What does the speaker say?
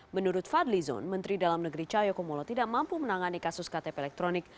menurut fadli zon menteri dalam negeri cahayokumolo tidak mampu menangani kasus ktp elektronik